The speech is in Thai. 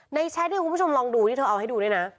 แชทที่คุณผู้ชมลองดูที่เธอเอาให้ดูด้วยนะ